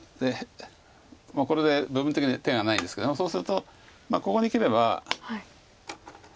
これで部分的には手がないですけどもそうするとここに切れば。